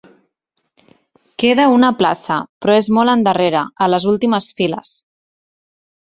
Queda una plaça, però és molt endarrere, a les últimes files.